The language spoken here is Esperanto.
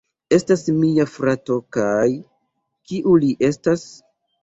Estas mia frato kaj... kiu li estas?